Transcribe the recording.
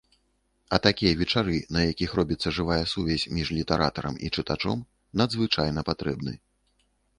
А такія вечары, на якіх робіцца жывая сувязь між літаратарам і чытачом, надзвычайна патрэбны.